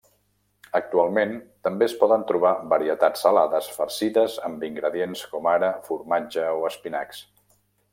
Actualment també es poden trobar varietats salades farcides amb ingredients com ara formatge o espinacs.